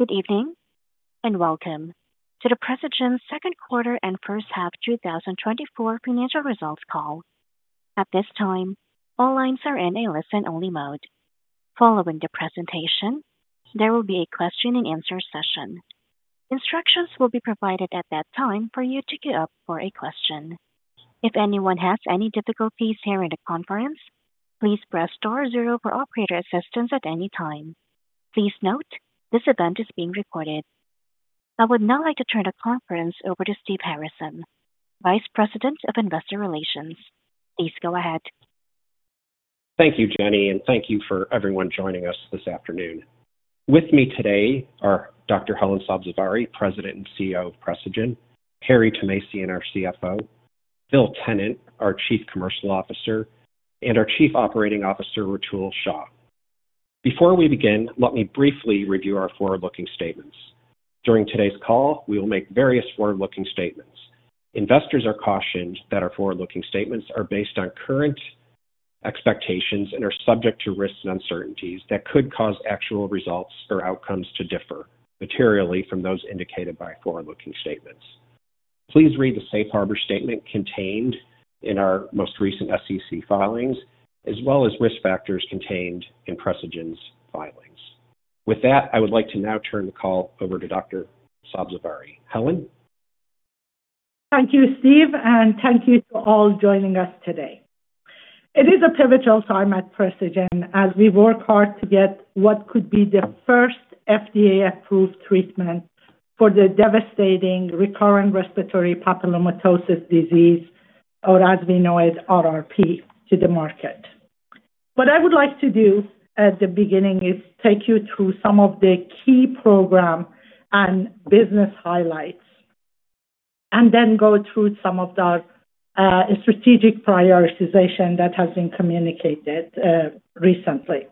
Good evening, and welcome to the Precigen second quarter and first half 2024 financial results call. At this time, all lines are in a listen-only mode. Following the presentation, there will be a question and answer session. Instructions will be provided at that time for you to queue up for a question. If anyone has any difficulties hearing the conference, please press star zero for operator assistance at any time. Please note, this event is being recorded. I would now like to turn the conference over to Steve Harrison, Vice President of Investor Relations. Please go ahead. Thank you, Jenny, and thank you for everyone joining us this afternoon. With me today are Dr. Helen Sabzevari, President and CEO of Precigen, Harry Thomasian, and our CFO, Phil Tennant, our Chief Commercial Officer, and our Chief Operating Officer, Rutul Shah. Before we begin, let me briefly review our forward-looking statements. During today's call, we will make various forward-looking statements. Investors are cautioned that our forward-looking statements are based on current expectations and are subject to risks and uncertainties that could cause actual results or outcomes to differ materially from those indicated by forward-looking statements. Please read the safe harbor statement contained in our most recent SEC filings, as well as risk factors contained in Precigen's filings. With that, I would like to now turn the call over to Dr. Sabzevari. Helen? Thank you, Steve, and thank you to all joining us today. It is a pivotal time at Precigen as we work hard to get what could be the first FDA-approved treatment for the devastating recurrent respiratory papillomatosis disease, or as we know it, RRP, to the market. What I would like to do at the beginning is take you through some of the key program and business highlights, and then go through some of the strategic prioritization that has been communicated recently.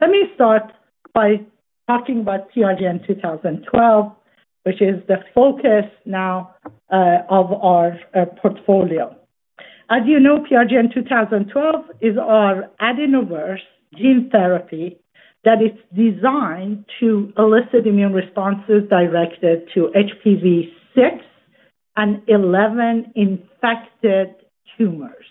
Let me start by talking about PRGN-2012, which is the focus now of our portfolio. As you know, PRGN-2012 is our AdenoVerse gene therapy that is designed to elicit immune responses directed to HPV 6 and 11-infected tumors,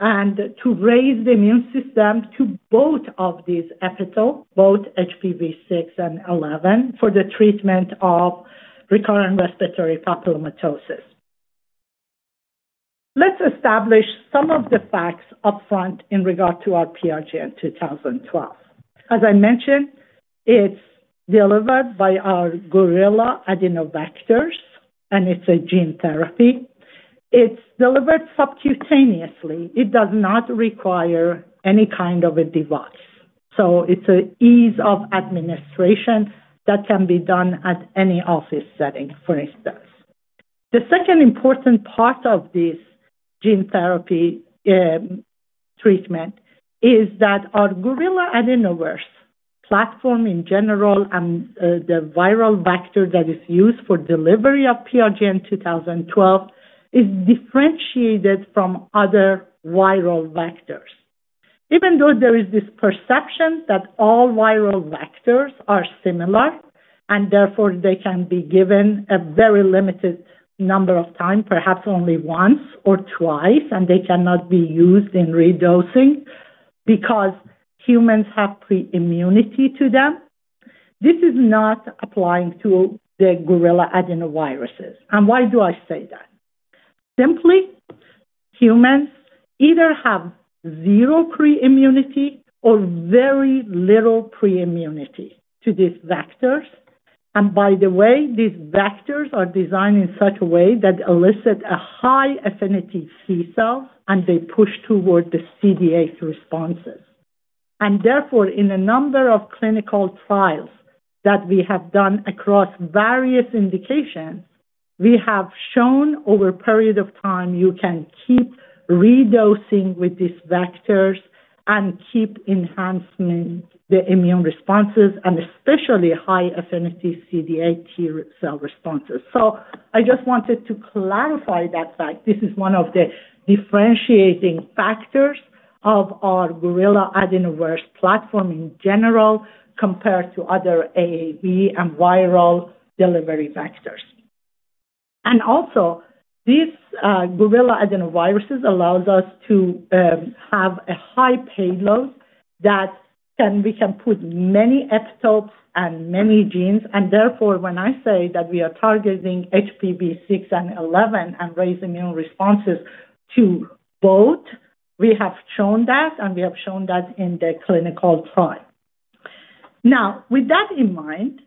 and to raise the immune system to both of these epitopes, both HPV 6 and 11, for the treatment of recurrent respiratory papillomatosis. Let's establish some of the facts upfront in regard to our PRGN-2012. As I mentioned, it's delivered by our Gorilla adenovectors, and it's a gene therapy. It's delivered subcutaneously. It does not require any kind of a device, so it's an ease of administration that can be done at any office setting, for instance. The second important part of this gene therapy, treatment is that our Gorilla AdenoVerse platform in general and, the viral vector that is used for delivery of PRGN-2012 is differentiated from other viral vectors. Even though there is this perception that all viral vectors are similar, and therefore they can be given a very limited number of time, perhaps only once or twice, and they cannot be used in redosing because humans have pre-immunity to them, this is not applying to the Gorilla adenovectors. And why do I say that? Simply, humans either have zero pre-immunity or very little pre-immunity to these vectors. And by the way, these vectors are designed in such a way that elicit a high-affinity T cell, and they push toward the CD8 responses. And therefore, in a number of clinical trials that we have done across various indications, we have shown over a period of time, you can keep redosing with these vectors and keep enhancing the immune responses, and especially high-affinity CD8 T cell responses. So I just wanted to clarify that fact. This is one of the differentiating factors of our Gorilla AdenoVerse platform in general, compared to other AAV and viral delivery vectors. And also, these, Gorilla adenovectors allows us to, have a high payload that can... We can put many epitopes and many genes, and therefore, when I say that we are targeting HPV 6 and 11 and raise immune responses to both, we have shown that, and we have shown that in the clinical trial. Now, with that in mind,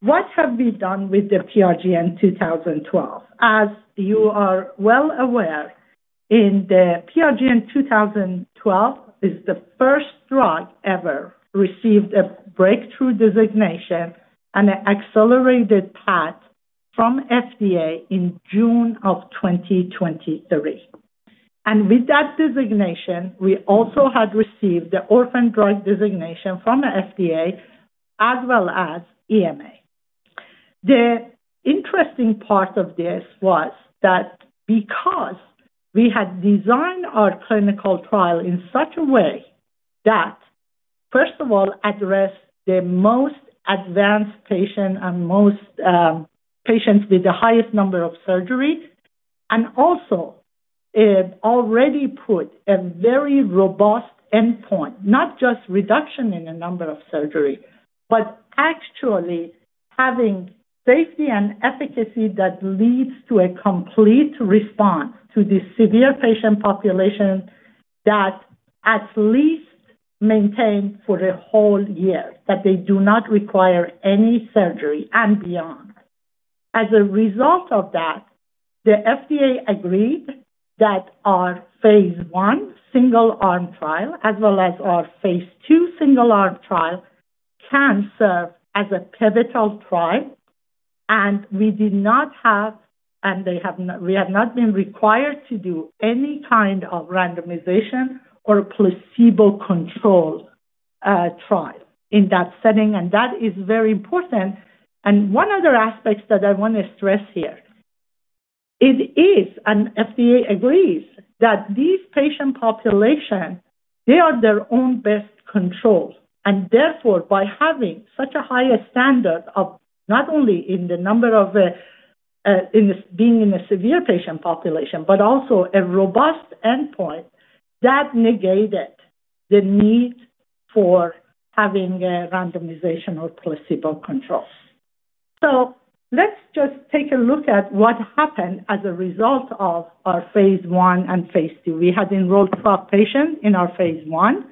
what have we done with the PRGN-2012? As you are well aware, the PRGN-2012 is the first drug ever received a Breakthrough designation and an accelerated path from FDA in June 2023. And with that designation, we also had received the Orphan drug designation from the FDA as well as EMA. The interesting part of this was that because we had designed our clinical trial in such a way that, first of all, address the most advanced patient and most patients with the highest number of surgery, and also, it already put a very robust endpoint, not just reduction in the number of surgery, but actually having safety and efficacy that leads to a complete response to the severe patient population that at least maintain for the whole year, that they do not require any surgery and beyond. As a result of that, the FDA agreed that our phase one single arm trial, as well as our phase two single arm trial, can serve as a pivotal trial, and we did not have, and they have not—we have not been required to do any kind of randomization or placebo control trial in that setting, and that is very important. One other aspect that I want to stress here, it is, and FDA agrees, that these patient population, they are their own best control, and therefore, by having such a high standard of not only in the number of being in a severe patient population, but also a robust endpoint, that negated the need for having a randomization or placebo controls. So let's just take a look at what happened as a result of our phase one and phase two. We had enrolled 12 patients in our phase 1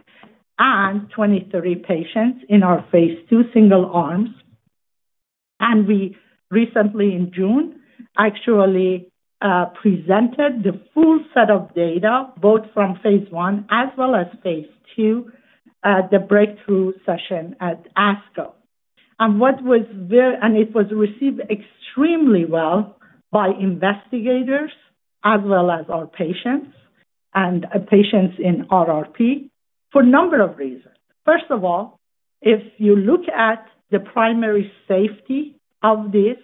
and 23 patients in our phase 2 single arms. We recently, in June, actually, presented the full set of data, both from phase 1 as well as phase 2, at the breakthrough session at ASCO. What was very... It was received extremely well by investigators as well as our patients and patients in RRP for a number of reasons. First of all, if you look at the primary safety of this,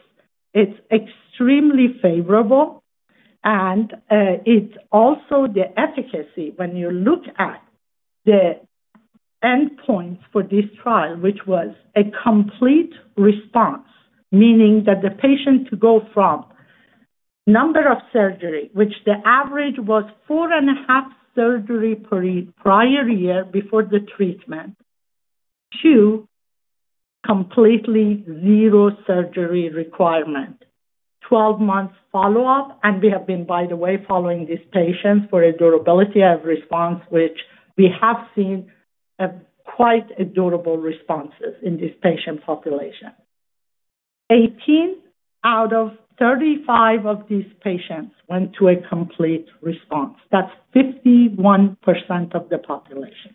it's extremely favorable, and it's also the efficacy. When you look at the endpoints for this trial, which was a complete response, meaning that the patient to go from number of surgery, which the average was 4.5 surgery per prior year before the treatment, to completely zero surgery requirement. 12 months follow-up, and we have been, by the way, following these patients for a durability of response, which we have seen quite a durable responses in this patient population. 18 out of 35 of these patients went to a complete response. That's 51% of the population.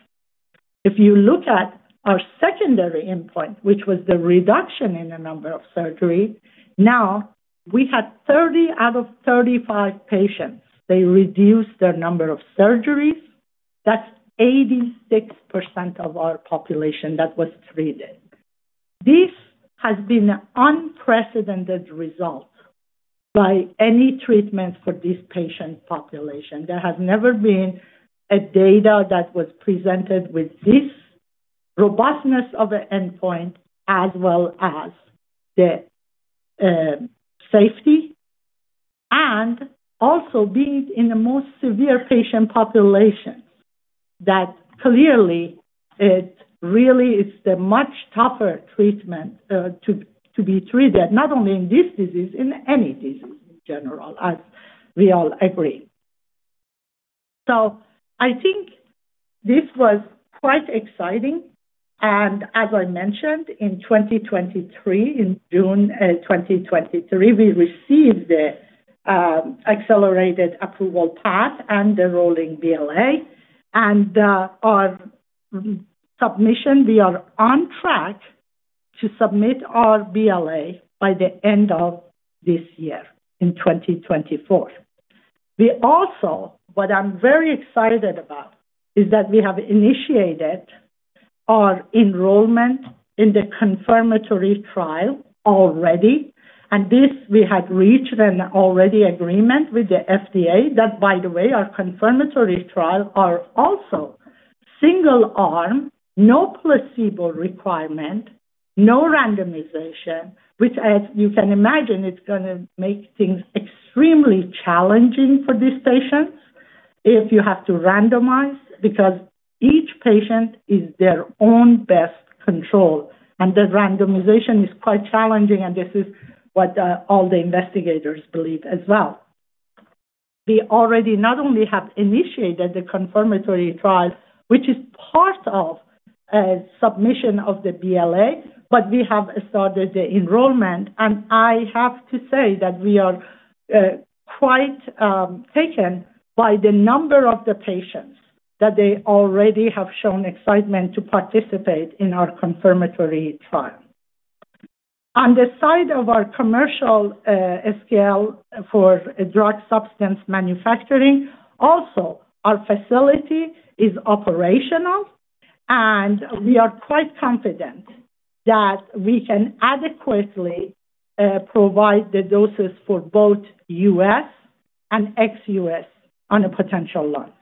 If you look at our secondary endpoint, which was the reduction in the number of surgery, now we had 30 out of 35 patients. They reduced their number of surgeries. That's 86% of our population that was treated. This has been unprecedented result by any treatment for this patient population. There has never been a data that was presented with this robustness of an endpoint, as well as the safety and also being in the most severe patient population, that clearly it really is the much tougher treatment, to be treated, not only in this disease, in any disease in general, as we all agree. So I think this was quite exciting, and as I mentioned, in 2023, in June, 2023, we received the accelerated approval path and the rolling BLA. And, our submission, we are on track to submit our BLA by the end of this year, in 2024. We also, what I'm very excited about, is that we have initiated our enrollment in the confirmatory trial already, and this, we had reached an already agreement with the FDA, that, by the way, our confirmatory trial are also single arm, no placebo requirement, no randomization, which, as you can imagine, it's gonna make things extremely challenging for these patients if you have to randomize, because each patient is their own best control, and the randomization is quite challenging, and this is what all the investigators believe as well. We already not only have initiated the confirmatory trial, which is part of a submission of the BLA, but we have started the enrollment, and I have to say that we are quite taken by the number of the patients that they already have shown excitement to participate in our confirmatory trial. On the side of our commercial scale for drug substance manufacturing, also, our facility is operational. We are quite confident that we can adequately provide the doses for both U.S. and ex-U.S. on a potential launch.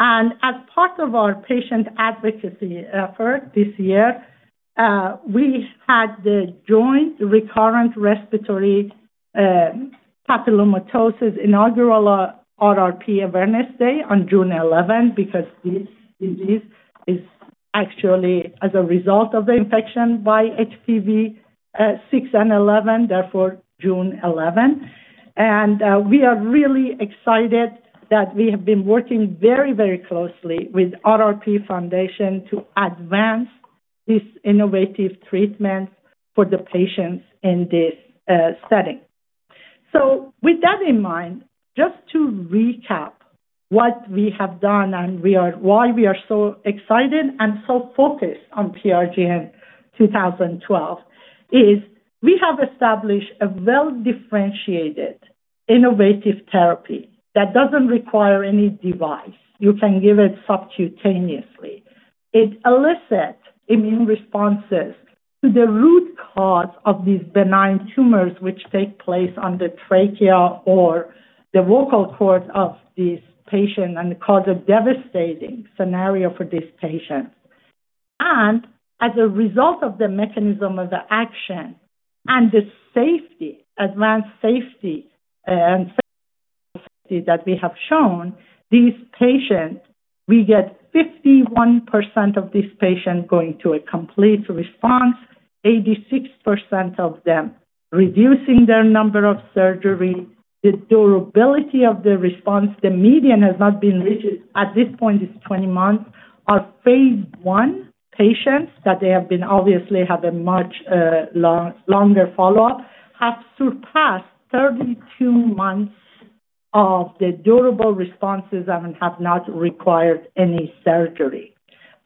As part of our patient advocacy effort this year, we had the Joint Recurrent Respiratory Papillomatosis Inaugural RRP Awareness Day on June 11, because this disease is actually as a result of the infection by HPV 6 and 11, therefore, June 11. We are really excited that we have been working very, very closely with RRP Foundation to advance this innovative treatment for the patients in this setting. So with that in mind, just to recap what we have done and we are why we are so excited and so focused on PRGN-2012, is we have established a well-differentiated innovative therapy that doesn't require any device. You can give it subcutaneously. It elicits immune responses to the root cause of these benign tumors, which take place on the trachea or the vocal cord of these patients and cause a devastating scenario for these patients. And as a result of the mechanism of the action and the safety, advanced safety and safety that we have shown, these patients, we get 51% of these patients going to a complete response, 86% of them reducing their number of surgery. The durability of the response, the median has not been reached. At this point, it's 20 months. Our phase 1 patients, that they have obviously had a much longer follow-up, have surpassed 32 months of the durable responses and have not required any surgery.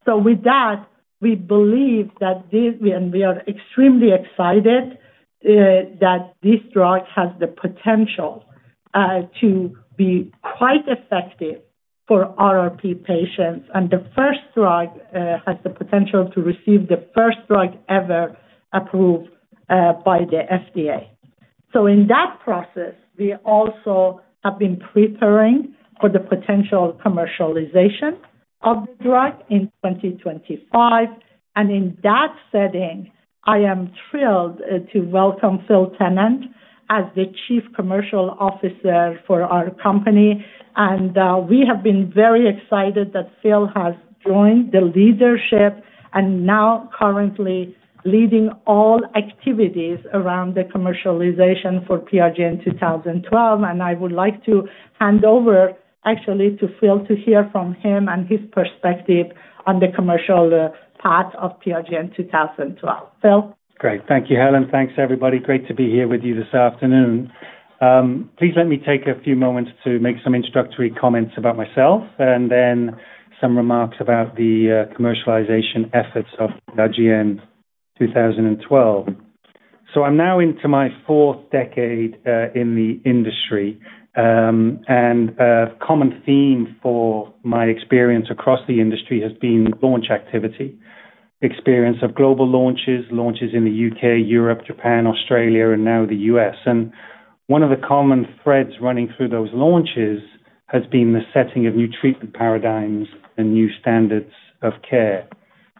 So with that, we believe that this... We are extremely excited that this drug has the potential to be quite effective for RRP patients, and the first drug has the potential to be the first drug ever approved by the FDA. So in that process, we also have been preparing for the potential commercialization of the drug in 2025, and in that setting, I am thrilled to welcome Phil Tennant as the Chief Commercial Officer for our company. And, we have been very excited that Phil has joined the leadership and now currently leading all activities around the commercialization for PRGN-2012, and I would like to hand over, actually, to Phil, to hear from him and his perspective on the commercial part of PRGN-2012. Phil? Great. Thank you, Helen. Thanks, everybody. Great to be here with you this afternoon. Please let me take a few moments to make some introductory comments about myself and then some remarks about the commercialization efforts of PRGN-2012. So I'm now into my fourth decade in the industry, and a common theme for my experience across the industry has been launch activity. Experience of global launches, launches in the U.K., Europe, Japan, Australia, and now the U.S. And one of the common threads running through those launches has been the setting of new treatment paradigms and new standards of care,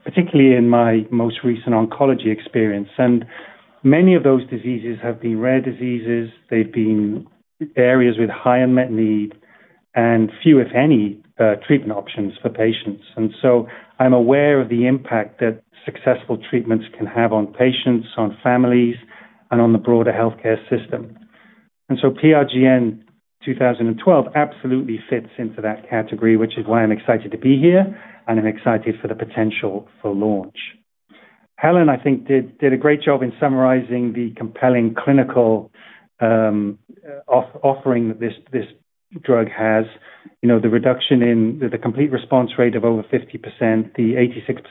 particularly in my most recent oncology experience. And many of those diseases have been rare diseases. They've been areas with high unmet need and few, if any, treatment options for patients. I'm aware of the impact that successful treatments can have on patients, on families, and on the broader healthcare system. PRGN-2012 absolutely fits into that category, which is why I'm excited to be here, and I'm excited for the potential for launch. Helen, I think, did a great job in summarizing the compelling clinical offering that this drug has. You know, the reduction in the complete response rate of over 50%, the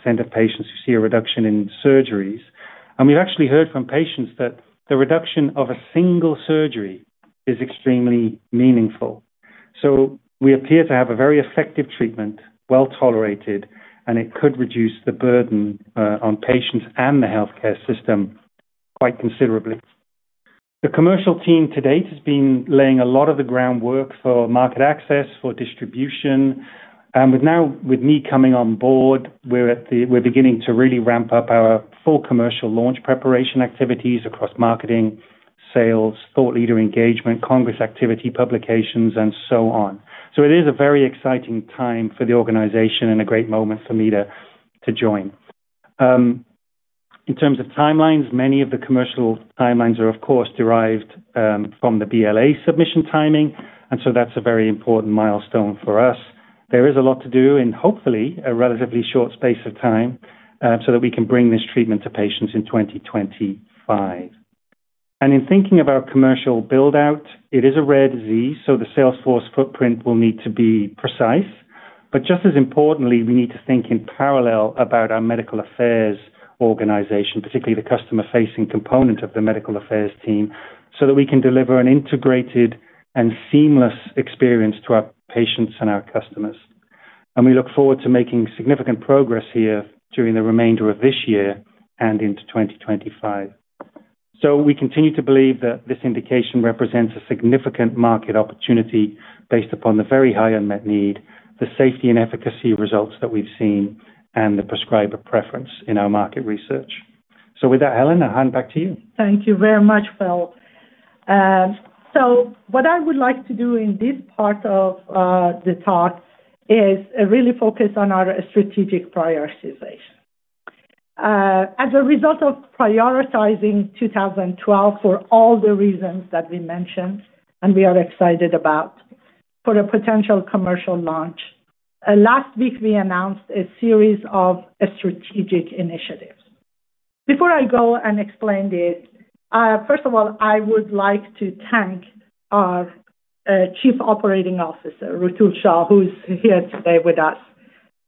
86% of patients who see a reduction in surgeries. We've actually heard from patients that the reduction of a single surgery is extremely meaningful. We appear to have a very effective treatment, well tolerated, and it could reduce the burden on patients and the healthcare system quite considerably. The commercial team to date has been laying a lot of the groundwork for market access, for distribution. And now, with me coming on board, we're beginning to really ramp up our full commercial launch preparation activities across marketing, sales, thought leader engagement, congress activity, publications, and so on. So it is a very exciting time for the organization and a great moment for me to join. In terms of timelines, many of the commercial timelines are, of course, derived from the BLA submission timing, and so that's a very important milestone for us. There is a lot to do in hopefully a relatively short space of time, so that we can bring this treatment to patients in 2025. And in thinking about commercial build-out, it is a rare disease, so the sales force footprint will need to be precise. But just as importantly, we need to think in parallel about our medical affairs organization, particularly the customer-facing component of the medical affairs team, so that we can deliver an integrated and seamless experience to our patients and our customers. We look forward to making significant progress here during the remainder of this year and into 2025. We continue to believe that this indication represents a significant market opportunity based upon the very high unmet need, the safety and efficacy results that we've seen, and the prescriber preference in our market research. With that, Helen, I hand back to you. Thank you very much, Phil. So what I would like to do in this part of the talk is really focus on our strategic prioritization. As a result of prioritizing 2012 for all the reasons that we mentioned, and we are excited about for the potential commercial launch, last week, we announced a series of strategic initiatives. Before I go and explain this, first of all, I would like to thank our Chief Operating Officer, Rutul Shah, who's here today with us,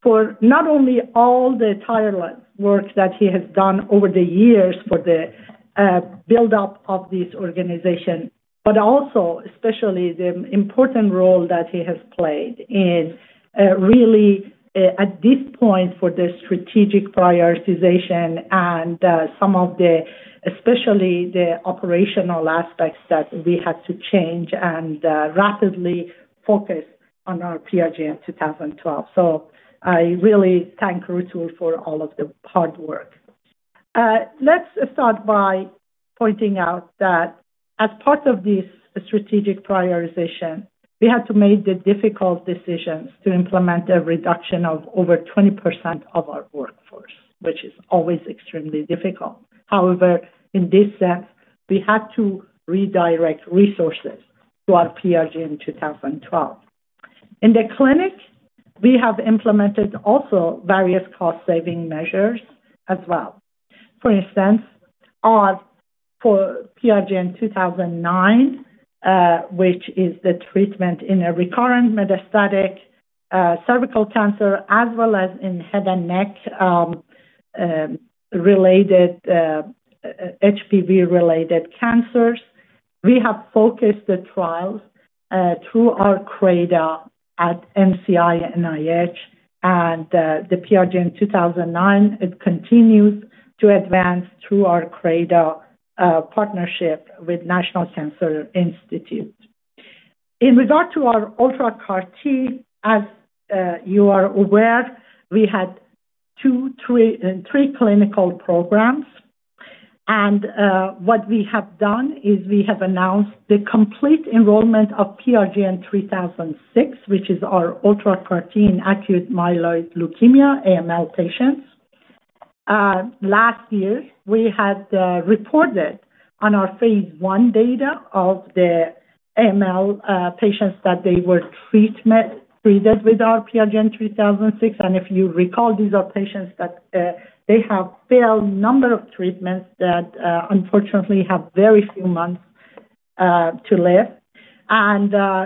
for not only all the tireless work that he has done over the years for the build-up of this organization, but also especially the important role that he has played in really at this point for the strategic prioritization and some of the... Especially the operational aspects that we had to change and rapidly focus on our PRGN-2012. So I really thank Rutul for all of the hard work. Let's start by pointing out that as part of this strategic prioritization, we had to make the difficult decisions to implement a reduction of over 20% of our workforce, which is always extremely difficult. However, in this sense, we had to redirect resources to our PRGN-2012. In the clinic, we have implemented also various cost-saving measures as well. For instance, for PRGN-2009, which is the treatment in a recurrent metastatic cervical cancer, as well as in head and neck related HPV-related cancers. We have focused the trials through our CRADA at NCI, NIH, and the PRGN-2009. It continues to advance through our CRADA partnership with National Cancer Institute. In regard to our UltraCAR-T, as you are aware, we had 2, 3, and 3 clinical programs. What we have done is we have announced the complete enrollment of PRGN-3006, which is our UltraCAR-T in acute myeloid leukemia, AML, patients. Last year, we had reported on our phase 1 data of the AML patients that they were treated with our PRGN-3006. If you recall, these are patients that they have failed number of treatments that unfortunately have very few months to live.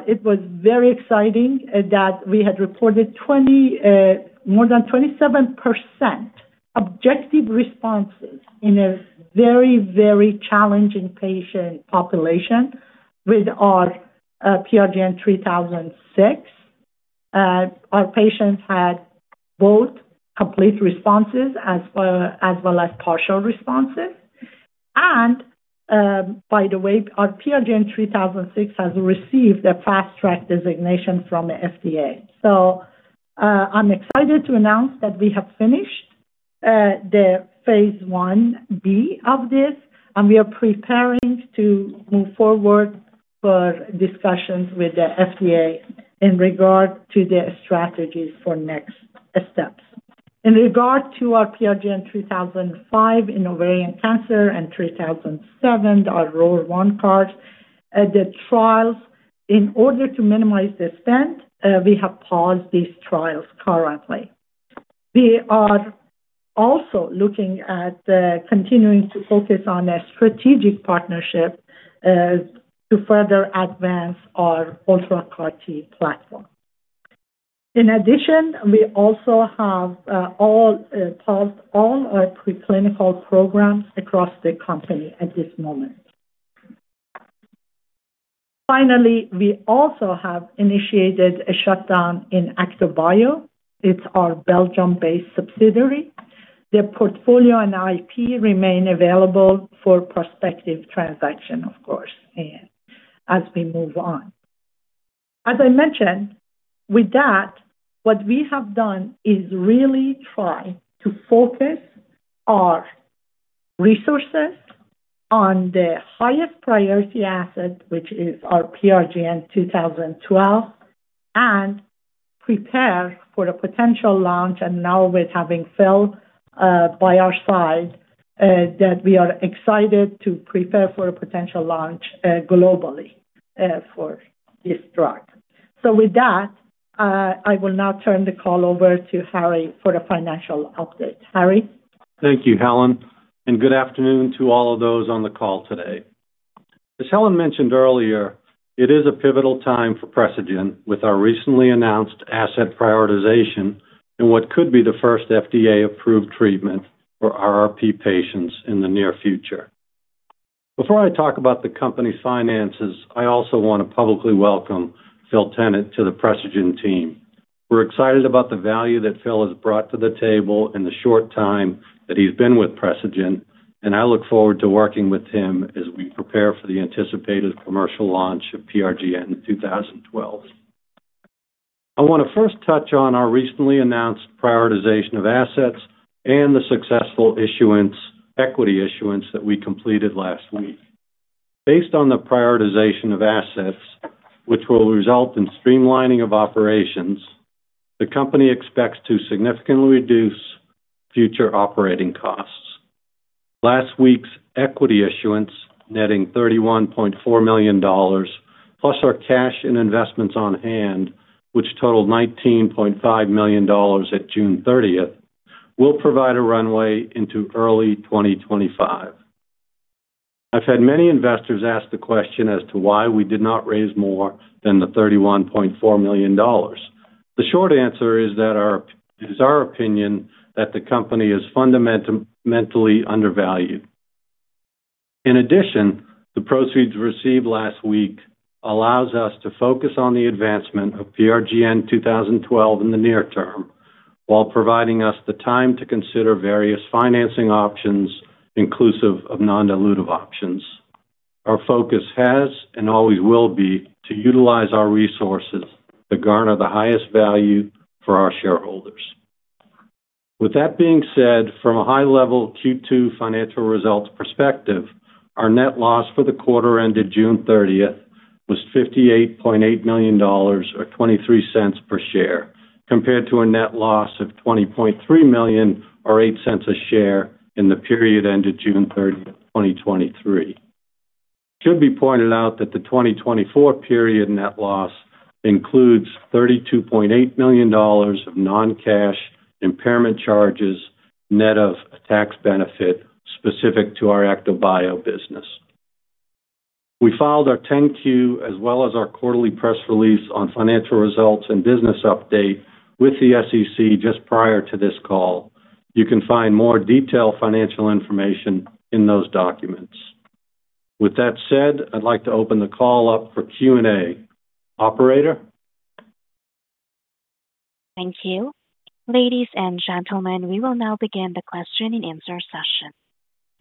It was very exciting that we had reported more than 27% objective responses in a very, very challenging patient population with our PRGN-3006. Our patients had both complete responses as well as partial responses. By the way, our PRGN-3006 has received a Fast Track designation from the FDA. So, I'm excited to announce that we have finished the phase 1b of this, and we are preparing to move forward for discussions with the FDA in regard to the strategies for next steps. In regard to our PRGN-2005 in ovarian cancer and PRGN-3007, our ROR1 CAR-T, the trials, in order to minimize the spend, we have paused these trials currently. We are also looking at continuing to focus on a strategic partnership to further advance our UltraCAR-T platform. In addition, we also have paused all our preclinical programs across the company at this moment. Finally, we also have initiated a shutdown in ActoBio. It's our Belgium-based subsidiary. Their portfolio and IP remain available for prospective transaction, of course, and as we move on. As I mentioned, with that, what we have done is really try to focus our resources on the highest priority asset, which is our PRGN-2012, and prepare for the potential launch. And now with having Phil by our side, that we are excited to prepare for a potential launch globally for this drug. So with that, I will now turn the call over to Harry for the financial update. Harry? Thank you, Helen, and good afternoon to all of those on the call today. As Helen mentioned earlier. It is a pivotal time for Precigen, with our recently announced asset prioritization and what could be the first FDA-approved treatment for RRP patients in the near future. Before I talk about the company's finances, I also want to publicly welcome Phil Tennant to the Precigen team. We're excited about the value that Phil has brought to the table in the short time that he's been with Precigen, and I look forward to working with him as we prepare for the anticipated commercial launch of PRGN-2012. I want to first touch on our recently announced prioritization of assets and the successful issuance, equity issuance that we completed last week. Based on the prioritization of assets, which will result in streamlining of operations, the company expects to significantly reduce future operating costs. Last week's equity issuance, netting $31.4 million, plus our cash and investments on hand, which totaled $19.5 million at June 30, will provide a runway into early 2025. I've had many investors ask the question as to why we did not raise more than the $31.4 million. The short answer is that it is our opinion that the company is fundamentally undervalued. In addition, the proceeds received last week allows us to focus on the advancement of PRGN-2012 in the near term, while providing us the time to consider various financing options, inclusive of non-dilutive options. Our focus has, and always will be, to utilize our resources to garner the highest value for our shareholders. With that being said, from a high-level Q2 financial results perspective, our net loss for the quarter ended June 30, was $58.8 million, or $0.23 per share, compared to a net loss of $20.3 million, or $0.08 per share in the period ended June 30, 2023. It should be pointed out that the 2024 period net loss includes $32.8 million of non-cash impairment charges, net of a tax benefit specific to our ActoBio business. We filed our 10-Q, as well as our quarterly press release on financial results and business update with the SEC just prior to this call. You can find more detailed financial information in those documents. With that said, I'd like to open the call up for Q&A. Operator? Thank you. Ladies and gentlemen, we will now begin the question-and-answer session.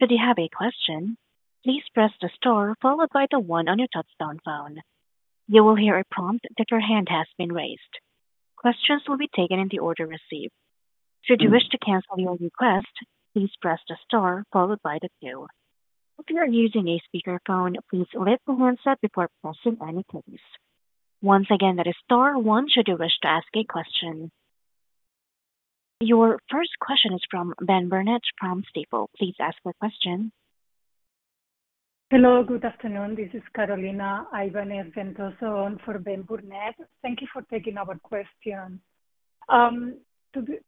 If you have a question, please press the star followed by the one on your touchtone phone. You will hear a prompt that your hand has been raised. Questions will be taken in the order received. Should you wish to cancel your request, please press the star followed by the two. If you are using a speakerphone, please lift the handset before pressing any keys. Once again, that is star one should you wish to ask a question. Your first question is from Ben Burnett from Stifel. Please ask your question. Hello, good afternoon, this is Carolina Ibáñez-Mendoza on for Ben Burnett. Thank you for taking our question.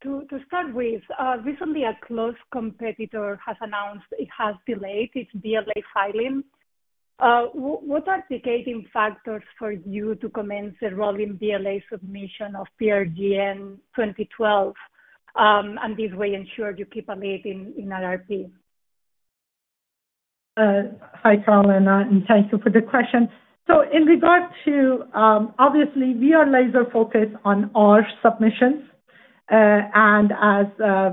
To start with, recently a close competitor has announced it has delayed its BLA filing. What are the gating factors for you to commence the rolling BLA submission of PRGN-2012, and this way ensure you keep a lead in RRP? Hi, Carolina, and thank you for the question. So in regard to, obviously, we are laser-focused on our submissions, and as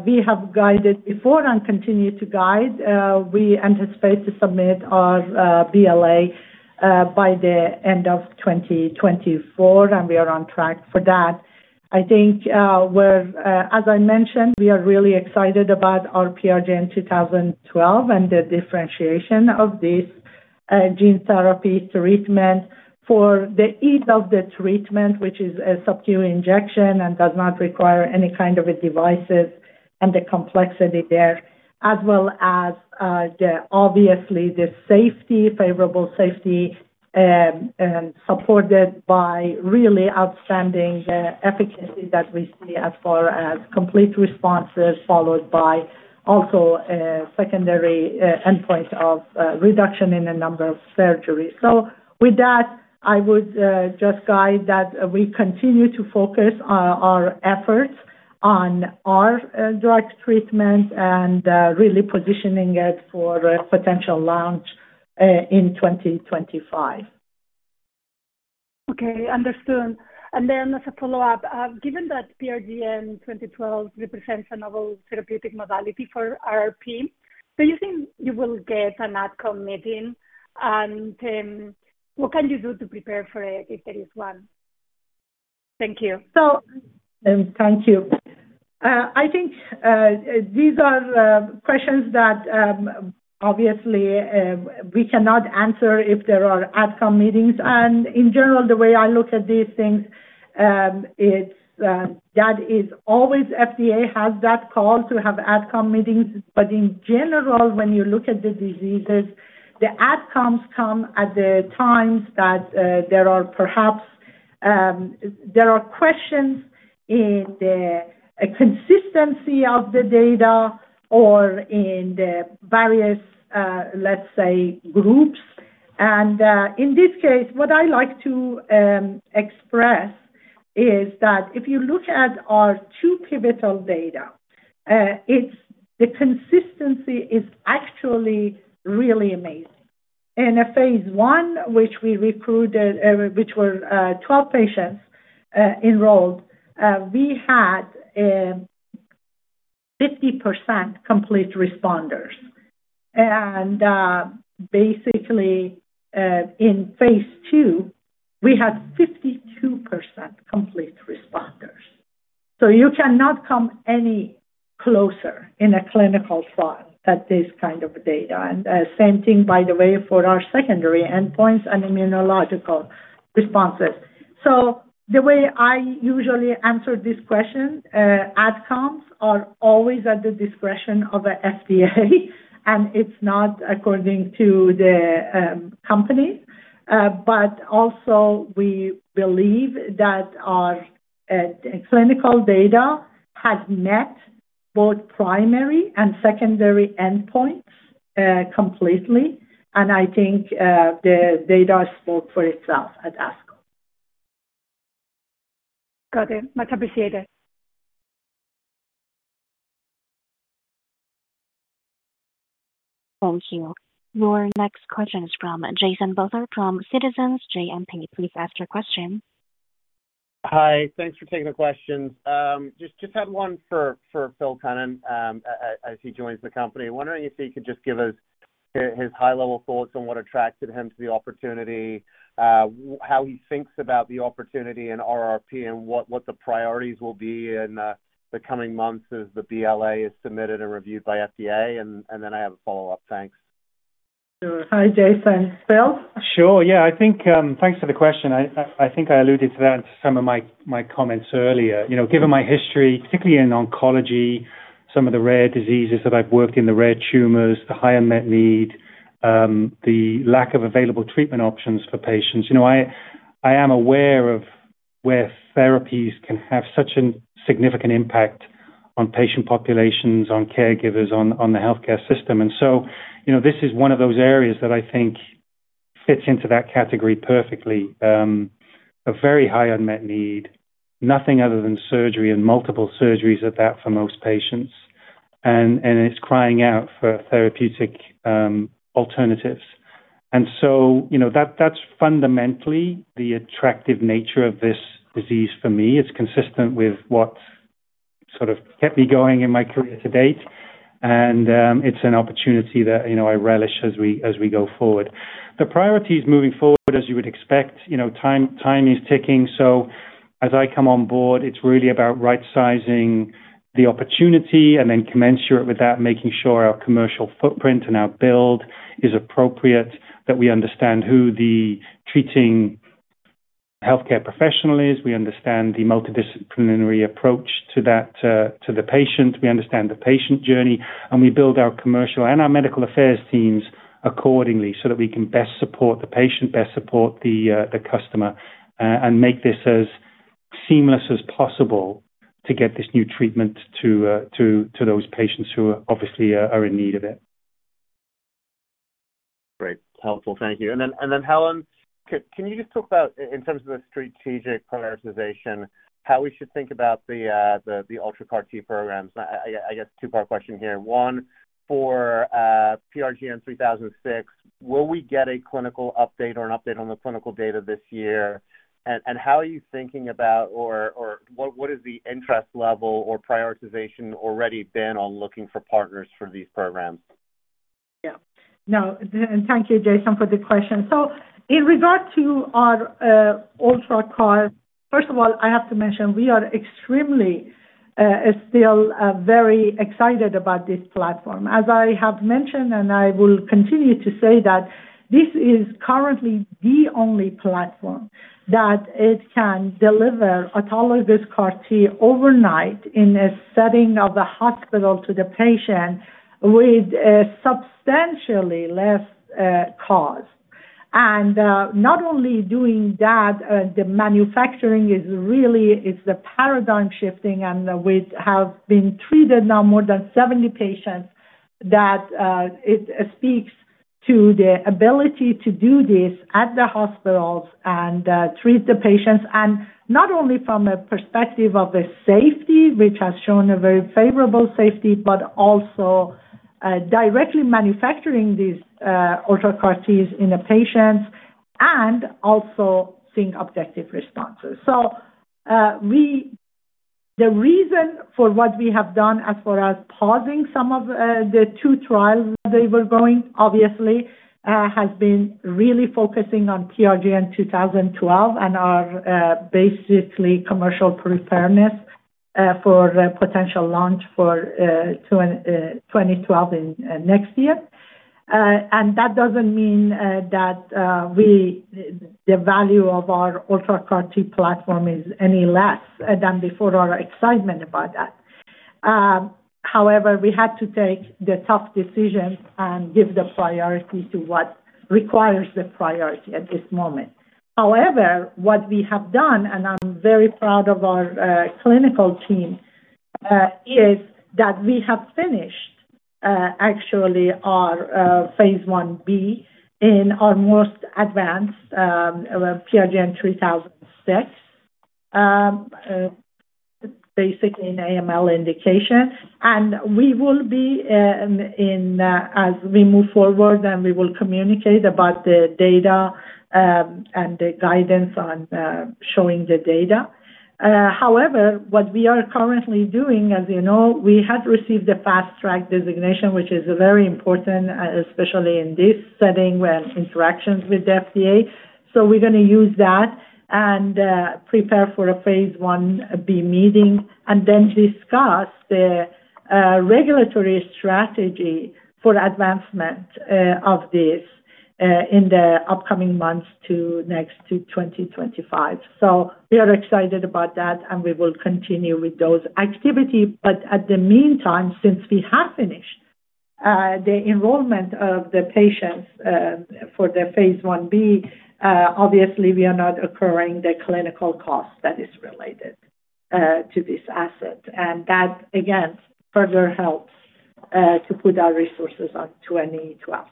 we have guided before and continue to guide, we anticipate to submit our BLA by the end of 2024, and we are on track for that. I think, we're, as I mentioned, we are really excited about our PRGN-2012 and the differentiation of this gene therapy treatment for the ease of the treatment, which is a subcutaneous injection and does not require any kind of a devices and the complexity there, as well as, the obviously, the safety, favorable safety, supported by really outstanding, efficacy that we see as far as complete responses, followed by also, secondary, endpoints of, reduction in the number of surgeries. With that, I would just guide that we continue to focus our efforts on our drug treatment and really positioning it for a potential launch in 2025. Okay, understood. And then as a follow-up, given that PRGN-2012 represents a novel therapeutic modality for RRP, do you think you will get an outcome meeting? And, what can you do to prepare for it if there is one? Thank you. Thank you. I think these are questions that obviously we cannot answer if there are outcome meetings. In general, the way I look at these things, it's that is always FDA has that call to have outcome meetings. But in general, when you look at the diseases, the outcomes come at the times that there are questions in the consistency of the data or in the various, let's say, groups. And in this case, what I like to express is that if you look at our two pivotal data, the consistency is actually really amazing. In a phase 1, which we recruited, which were 12 patients enrolled, we had a 50% complete responders. Basically, in phase 2, we had 52% complete responders. So you cannot come any closer in a clinical trial at this kind of data. And the same thing, by the way, for our secondary endpoints and immunological responses. So the way I usually answer this question, outcomes are always at the discretion of the FDA, and it's not according to the, company. But also we believe that our, clinical data has met both primary and secondary endpoints, completely, and I think, the data spoke for itself at ASCO. Got it. Much appreciated. Thank you. Your next question is from Jason Butler from Citizens JMP. Please ask your question. Hi. Thanks for taking the questions. Just have one for Phil Cunningham as he joins the company. Wondering if he could just give us his high-level thoughts on what attracted him to the opportunity, how he thinks about the opportunity in RRP and what the priorities will be in the coming months as the BLA is submitted and reviewed by FDA. And then I have a follow-up. Thanks. Sure. Hi, Jason. Phil? Sure. Yeah, I think. Thanks for the question. I think I alluded to that in some of my comments earlier. You know, given my history, particularly in oncology, some of the rare diseases that I've worked in, the rare tumors, the higher unmet need, the lack of available treatment options for patients. You know, I am aware of where therapies can have such a significant impact on patient populations, on caregivers, on the healthcare system. And so, you know, this is one of those areas that I think fits into that category perfectly. A very high unmet need, nothing other than surgery and multiple surgeries at that for most patients, and it's crying out for therapeutic alternatives. And so, you know, that's fundamentally the attractive nature of this disease for me. It's consistent with what sort of kept me going in my career to date, and it's an opportunity that, you know, I relish as we go forward. The priorities moving forward, as you would expect, you know, time, time is ticking. So as I come on board, it's really about right-sizing the opportunity and then commensurate with that, making sure our commercial footprint and our build is appropriate, that we understand who the treating healthcare professional is, we understand the multidisciplinary approach to that, to the patient, we understand the patient journey, and we build our commercial and our medical affairs teams accordingly so that we can best support the patient, best support the customer, and make this as seamless as possible to get this new treatment to those patients who are obviously are in need of it. Great. Helpful. Thank you. And then, Helen, can you just talk about in terms of the strategic prioritization, how we should think about the the Ultra CAR T programs? I guess two-part question here. One, for PRGN 3006, will we get a clinical update or an update on the clinical data this year? And how are you thinking about or what is the interest level or prioritization already been on looking for partners for these programs? Yeah. No, thank you, Jason, for the question. So in regard to our UltraCAR, first of all, I have to mention, we are extremely still very excited about this platform. As I have mentioned, and I will continue to say that this is currently the only platform that it can deliver autologous CAR-T overnight in a setting of the hospital to the patient with substantially less cost. Not only doing that, the manufacturing is really, it's the paradigm shifting and which have been treated now more than 70 patients, that it speaks to the ability to do this at the hospitals and treat the patients, and not only from a perspective of the safety, which has shown a very favorable safety, but also directly manufacturing these UltraCAR-Ts in the patients and also seeing objective responses. So, the reason for what we have done as far as pausing some of the two trials that they were going, obviously, has been really focusing on PRGN-2012 and our basically commercial preparedness for the potential launch for 2022 in next year. And that doesn't mean that the value of our UltraCAR-T platform is any less than before our excitement about that. However, we had to take the tough decision and give the priority to what requires the priority at this moment. However, what we have done, and I'm very proud of our clinical team, is that we have finished actually our phase 1b in our most advanced PRGN-3006 basically in AML indication. And we will be in as we move forward, and we will communicate about the data and the guidance on showing the data. However, what we are currently doing, as you know, we have received a Fast Track designation, which is very important especially in this setting, where interactions with the FDA. So we're gonna use that and prepare for a phase 1b meeting and then discuss the regulatory strategy for advancement of this in the upcoming months to next to 2025. So we are excited about that, and we will continue with those activities. But in the meantime, since we have finished the enrollment of the patients for the phase 1b, obviously we are not incurring the clinical cost that is related to this asset. And that, again, further helps to put our resources on 2012.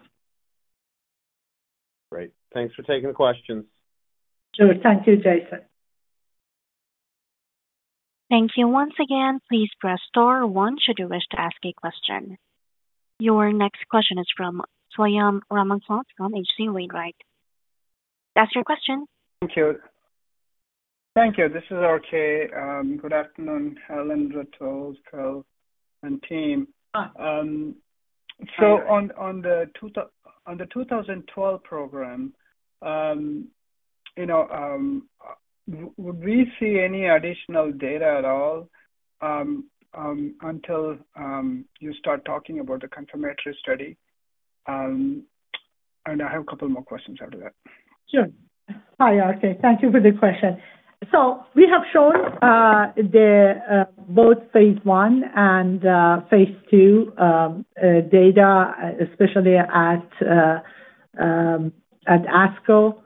Great. Thanks for taking the questions. Sure. Thank you, Jason. Thank you. Once again, please press star one should you wish to ask a question. Your next question is from Swayam Ramanath from H.C. Wainwright. Ask your question. Thank you. Thank you. This is RK. Good afternoon, Helen, Rutul, Phil, and team. Hi. So on the 2012 program, you know, would we see any additional data at all until you start talking about the confirmatory study? And I have a couple more questions after that. Sure. Hi, RK. Thank you for the question. So we have shown the both phase one and phase two data, especially at ASCO.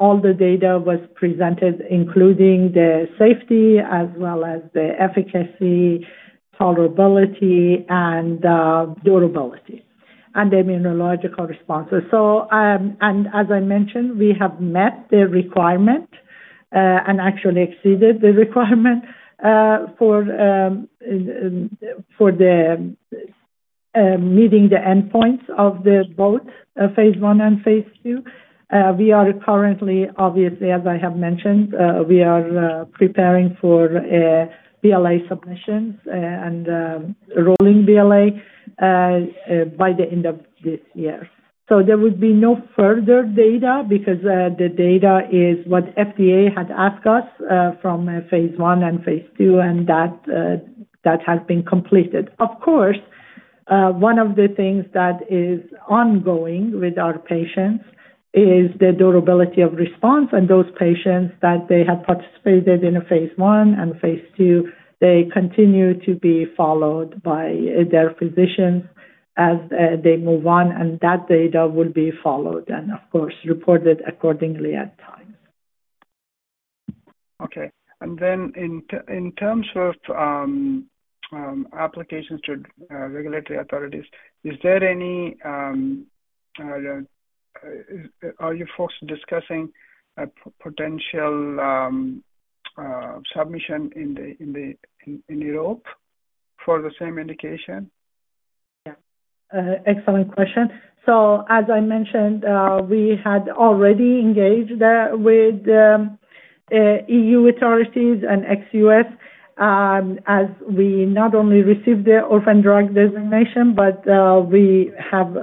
All the data was presented, including the safety as well as the efficacy, tolerability and durability and immunological responses. So, as I mentioned, we have met the requirement and actually exceeded the requirement for meeting the endpoints of both phase one and phase two. We are currently, obviously, as I have mentioned, preparing for BLA submissions and rolling BLA by the end of this year. So there would be no further data, because the data is what FDA had asked us from phase one and phase two, and that has been completed. Of course, one of the things that is ongoing with our patients is the durability of response, and those patients that they have participated in a phase 1 and phase 2, they continue to be followed by their physicians as they move on, and that data will be followed and of course, reported accordingly at times. Okay. And then in terms of applications to regulatory authorities, are you folks discussing a potential submission in Europe for the same indication? Yeah. Excellent question. So as I mentioned, we had already engaged with EU authorities and ex-U.S., as we not only received their orphan drug designation, but we have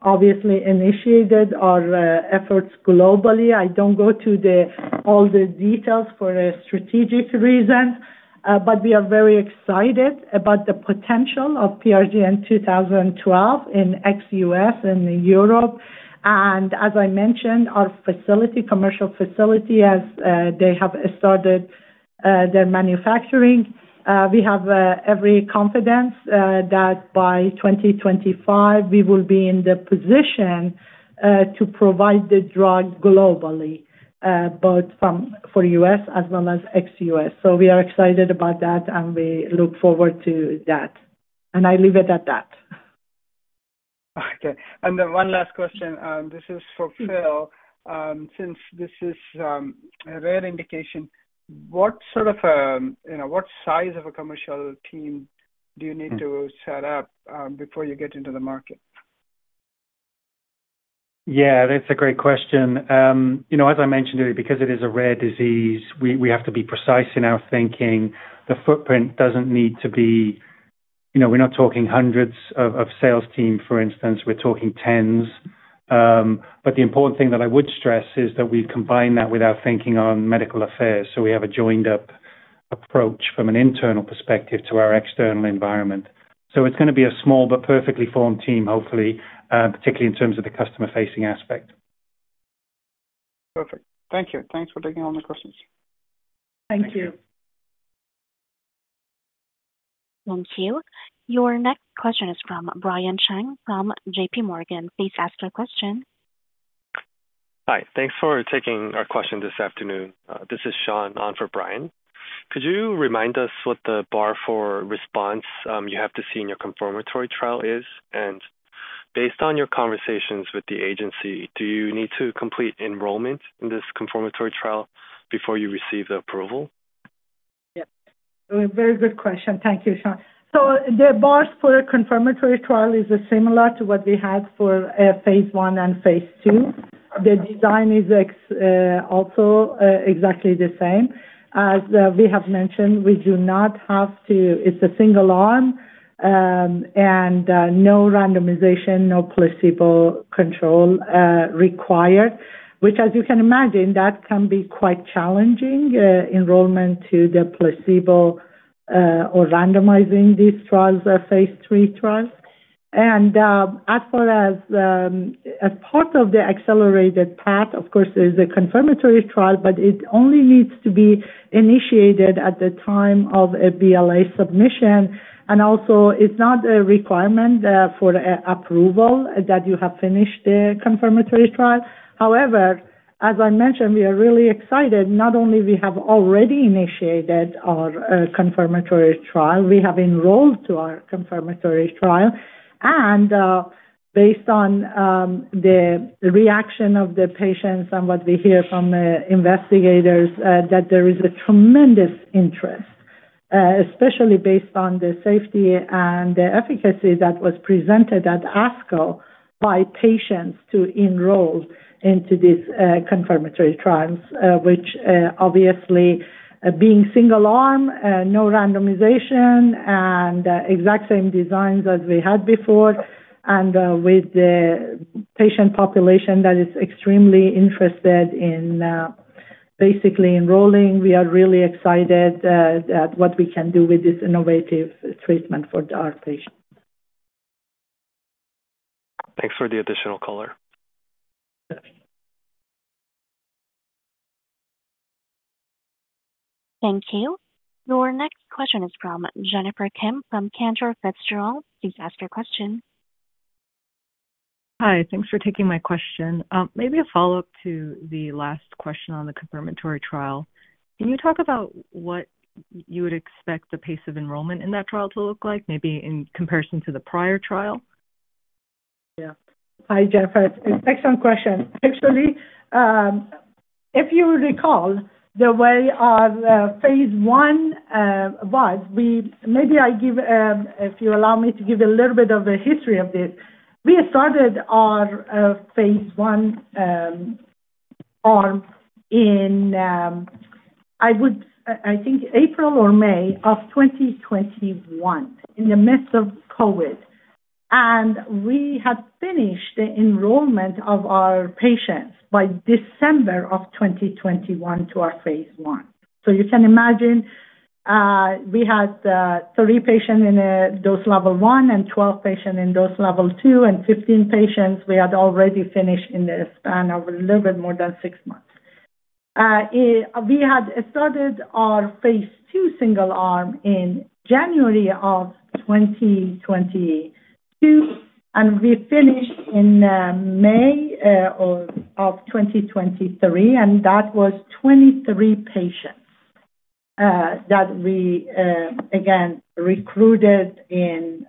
obviously initiated our efforts globally. I don't go into all the details for a strategic reason, but we are very excited about the potential of PRGN-2012 in ex-U.S. and in Europe. And as I mentioned, our commercial facility, as they have started their manufacturing, we have every confidence that by 2025 we will be in the position to provide the drug globally, both for U.S. as well as ex-U.S. So we are excited about that, and we look forward to that. I leave it at that. Okay. And then one last question, this is for Phil. Since this is a rare indication, what sort of, you know, what size of a commercial team do you need to set up before you get into the market? Yeah, that's a great question. You know, as I mentioned earlier, because it is a rare disease, we have to be precise in our thinking. The footprint doesn't need to be... You know, we're not talking hundreds of sales team, for instance. We're talking tens. But the important thing that I would stress is that we combine that with our thinking on medical affairs, so we have a joined-up approach from an internal perspective to our external environment. So it's gonna be a small but perfectly formed team, hopefully, particularly in terms of the customer-facing aspect.... Perfect. Thank you. Thanks for taking all my questions. Thank you. Thank you. Your next question is from Brian Cheng from J.P. Morgan. Please ask your question. Hi. Thanks for taking our question this afternoon. This is Sean, on for Brian. Could you remind us what the bar for response, you have to see in your confirmatory trial is? And based on your conversations with the agency, do you need to complete enrollment in this confirmatory trial before you receive the approval? Yeah. A very good question. Thank you, Sean. So the bars for a confirmatory trial is similar to what we had for phase 1 and phase 2. The design is also exactly the same. As we have mentioned, we do not have to... It's a single arm, and no randomization, no placebo control required, which, as you can imagine, that can be quite challenging, enrollment to the placebo or randomizing these trials, phase 3 trials. And as far as a part of the accelerated path, of course, is a confirmatory trial, but it only needs to be initiated at the time of a BLA submission, and also it's not a requirement for approval that you have finished the confirmatory trial. However, as I mentioned, we are really excited. Not only we have already initiated our confirmatory trial, we have enrolled to our confirmatory trial, and based on the reaction of the patients and what we hear from the investigators, that there is a tremendous interest, especially based on the safety and the efficacy that was presented at ASCO, by patients to enroll into these confirmatory trials. Which, obviously, being single arm, no randomization and exact same designs as we had before, and with the patient population that is extremely interested in basically enrolling, we are really excited at what we can do with this innovative treatment for our patients. Thanks for the additional color. Thank you. Your next question is from Jennifer Kim from Cantor Fitzgerald. Please ask your question. Hi. Thanks for taking my question. Maybe a follow-up to the last question on the confirmatory trial. Can you talk about what you would expect the pace of enrollment in that trial to look like, maybe in comparison to the prior trial? Yeah. Hi, Jennifer. Excellent question. Actually, if you recall, the way our phase 1 was. Maybe I give, if you allow me to give a little bit of a history of this. We started our phase 1 arm in, I would, I, I think April or May of 2021, in the midst of COVID, and we had finished the enrollment of our patients by December of 2021 to our phase 1. So you can imagine, we had 30 patients in dose level one and 12 patients in dose level two, and 15 patients we had already finished in the span of a little bit more than 6 months. We had started our phase 2 single arm in January of 2022, and we finished in May of 2023, and that was 23 patients that we again recruited in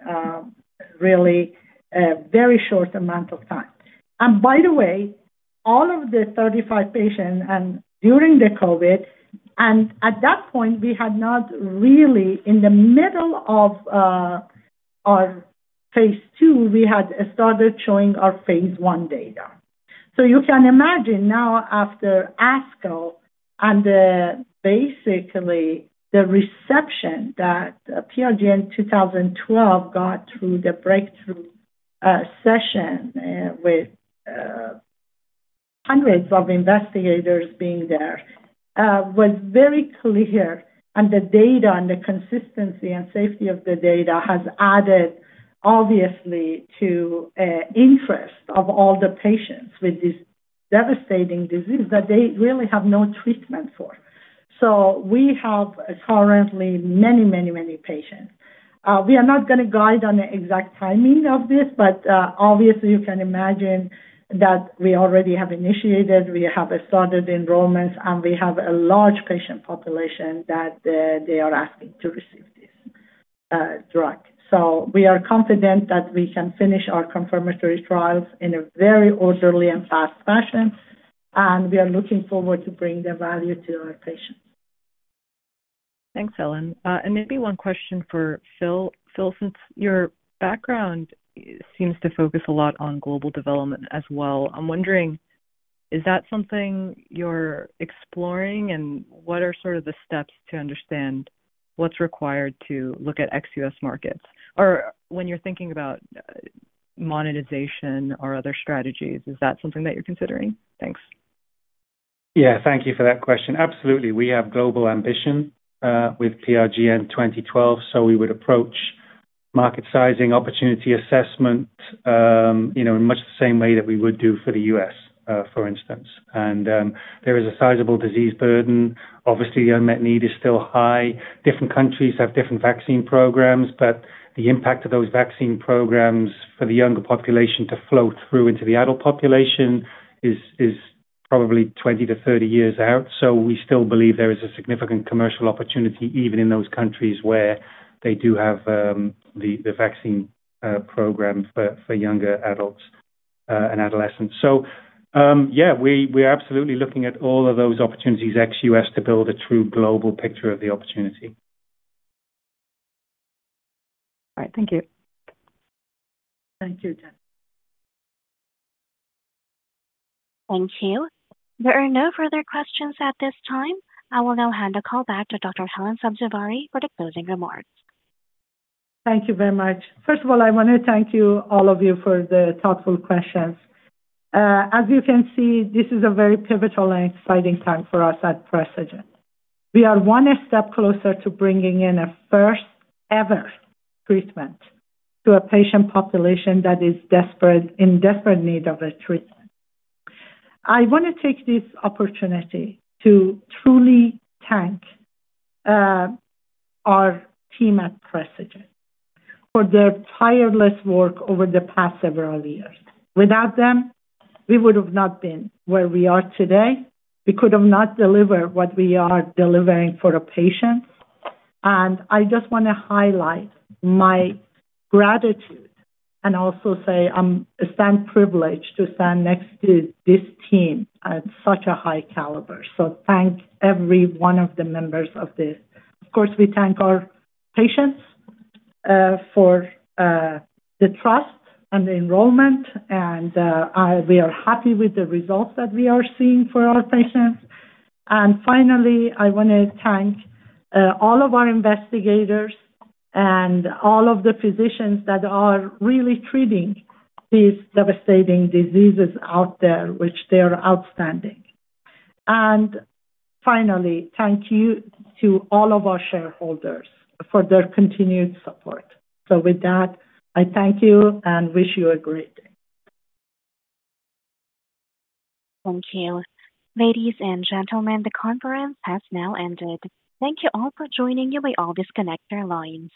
really a very short amount of time. And by the way, all of the 35 patients, and during the COVID, and at that point, we had not really in the middle of our phase 2, we had started showing our phase 1 data. So you can imagine now, after ASCO and basically the reception that PRGN-2012 got through the breakthrough session with hundreds of investigators being there was very clear. And the data and the consistency and safety of the data has added, obviously, to interest of all the patients with this devastating disease that they really have no treatment for. So we have currently many, many, many patients. We are not gonna guide on the exact timing of this, but, obviously, you can imagine that we already have initiated, we have started enrollments, and we have a large patient population that, they are asking to receive this, drug. So we are confident that we can finish our confirmatory trials in a very orderly and fast fashion, and we are looking forward to bring the value to our patients. Thanks, Helen. And maybe one question for Phil. Phil, since your background seems to focus a lot on global development as well, I'm wondering, is that something you're exploring? And what are sort of the steps to understand what's required to look at ex-U.S. markets? Or when you're thinking about monetization or other strategies, is that something that you're considering? Thanks. Yeah, thank you for that question. Absolutely. We have global ambition with PRGN-2012, so we would approach-... market sizing, opportunity assessment, you know, in much the same way that we would do for the U.S., for instance. There is a sizable disease burden. Obviously, the unmet need is still high. Different countries have different vaccine programs, but the impact of those vaccine programs for the younger population to flow through into the adult population is probably 20-30 years out. So we still believe there is a significant commercial opportunity, even in those countries where they do have the vaccine program for younger adults and adolescents. So, yeah, we are absolutely looking at all of those opportunities, ex-U.S., to build a true global picture of the opportunity. All right. Thank you. Thank you, Jen. Thank you. There are no further questions at this time. I will now hand the call back to Dr. Helen Sabzevari for the closing remarks. Thank you very much. First of all, I want to thank you, all of you, for the thoughtful questions. As you can see, this is a very pivotal and exciting time for us at Precigen. We are one step closer to bringing in a first-ever treatment to a patient population that is desperate, in desperate need of a treatment. I want to take this opportunity to truly thank our team at Precigen for their tireless work over the past several years. Without them, we would have not been where we are today. We could have not delivered what we are delivering for the patients. And I just want to highlight my gratitude and also say I stand privileged to stand next to this team at such a high caliber. So thank every one of the members of this. Of course, we thank our patients for the trust and the enrollment, and we are happy with the results that we are seeing for our patients. And finally, I want to thank all of our investigators and all of the physicians that are really treating these devastating diseases out there, which they are outstanding. Finally, thank you to all of our shareholders for their continued support. With that, I thank you and wish you a great day. Thank you. Ladies and gentlemen, the conference has now ended. Thank you all for joining. You may all disconnect your lines.